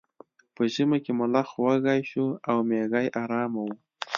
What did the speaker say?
په ژمي کې ملخ وږی شو او میږی ارامه وه.